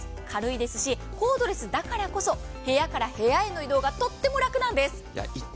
軽いですしコードレスだからこそ部屋から部屋の移動がとっても楽なんです。